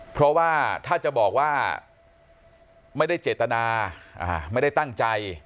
เพราะว่าถ้าจะบอกว่าไม่ได้เจตนาไม่ได้ตั้งใจ